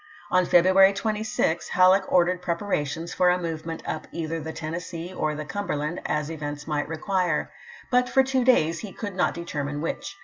On February 26 Halleck ordered preparations for a movement up either the Tennessee or the Cumber land, as events might require ; but for two days he could not determine which.